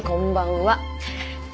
はい。